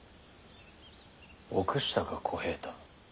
臆したか小平太。